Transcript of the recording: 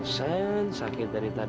senj hacer dari tadi